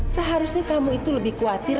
seharusnya kamu itu lebih khawatir